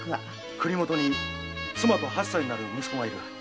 国許に妻と八歳になる息子がいる。